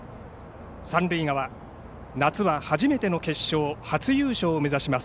三塁側、夏は初めての決勝初優勝を目指します。